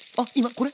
これ？